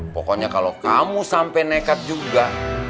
pokoknya kalo kamu sampe nekat juga